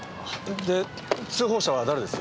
で通報者は誰です？